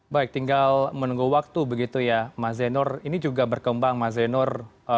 baik tinggal menunggu waktu begitu ya mas zainur ini juga berkembang mas zainur